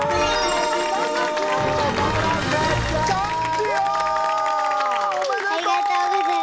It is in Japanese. ありがとうございます。